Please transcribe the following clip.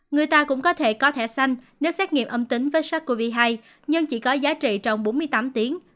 người ta cũng có thể có thẻ xanh nếu xét nghiệm âm tính với sars cov hai nhưng chỉ có giá trị trong bốn mươi tám tiếng